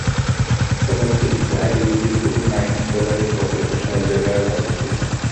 প্রকল্পটিতে আইডিবির দুুুই কোটি মার্কিন ডলারের প্রকল্প সাহায্য দেওয়ার কথা ছিল।